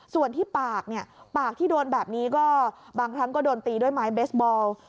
ส่วนที่ปากเนี่ยปากที่โดนแบบนี้ก็บางครั้งก็โดนตีด้วยไม้เบสบอล